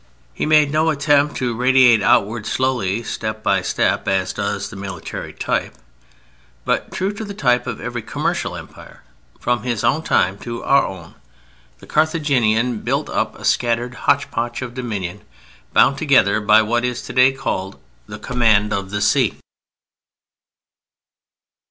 He made no attempt to radiate outward slowly step by step, as does the military type, but true to the type of every commercial empire, from his own time to our own, the Carthaginian built up a scattered hotchpotch of dominion, bound together by what is today called the "Command of the Sea."